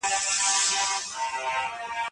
د چمن هغه کونج چي په ځنګله ننوتلی